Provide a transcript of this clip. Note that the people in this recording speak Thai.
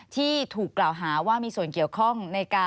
ที่ถูกกล่าวหาว่ามีส่วนเกี่ยวข้อง